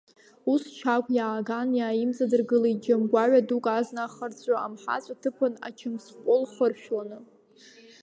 Ус Чагә иааган иааимҵадыргылеит џьам гәаҩа дук азна ахырҵәы, амҳаҵә аҭыԥан ачымсҟәыл хыршәланы.